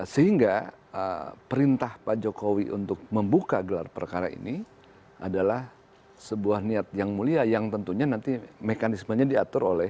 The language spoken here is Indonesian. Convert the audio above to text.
sehingga perintah pak jokowi untuk membuka gelar perkara ini adalah sebuah niat yang mulia yang tentunya nanti mekanismenya diatur oleh